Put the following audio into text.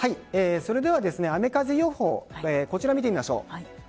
それでは雨風予報こちらを見ていきましょう。